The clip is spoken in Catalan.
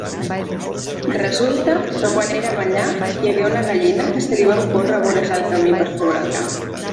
Resulta que, quan érem allà, hi hagué una gallina a qui se li va ocórrer vorejar el camí per sobre el camp.